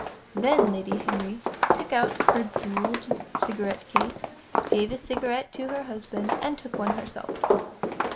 Then Lady Henry took out her jewelled cigarette case, gave a cigarette to her husband and took one herself.